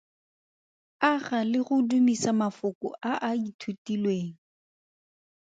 Aga le go dumisa mafoko a a ithutilweng.